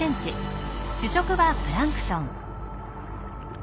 主食はプランクトン。